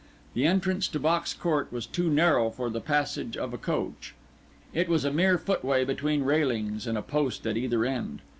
The entrance to Box Court was too narrow for the passage of a coach; it was a mere footway between railings, with a post at either end.